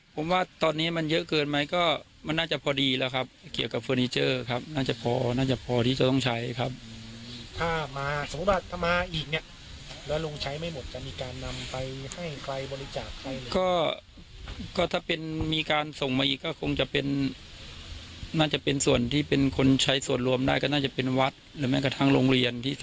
ผมว่าตอนนี้มันเยอะเกินไหมก็มันน่าจะพอดีแล้วครับเกี่ยวกับเฟอร์นิเจอร์ครับน่าจะพอน่าจะพอที่จะต้องใช้ครับถ้ามาสมมุติว่าถ้ามาอีกเนี่ยแล้วลงใช้ไม่หมดจะมีการนำไปให้ใครบริจาคใครก็ก็ถ้าเป็นมีการส่งมาอีกก็คงจะเป็นน่าจะเป็นส่วนที่เป็นคนใช้ส่วนรวมได้ก็น่าจะเป็นวัดหรือแม้กระทั่งโรงเรียนที่ท